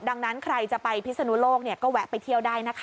ดังนั้นใครจะไปพิศนุโลกก็แวะไปเที่ยวได้นะคะ